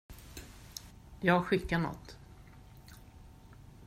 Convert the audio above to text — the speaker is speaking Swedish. Jag skickar nåt.